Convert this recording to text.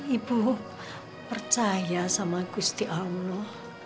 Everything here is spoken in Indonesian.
ibu percaya sama gusti allah